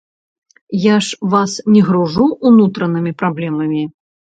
Я ж вас не гружу ўнутранымі праблемамі.